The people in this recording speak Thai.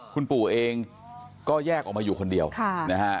คุณปู่เองก็แยกออกมาอยู่คนเดียวนะฮะ